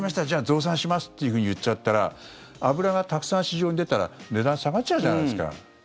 じゃあ増産しますっていうふうに言っちゃったら油がたくさん市場に出たら値段下がっちゃうじゃないですか。